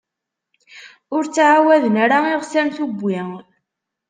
Ur ttɛawaden ara iɣsan tubbwi.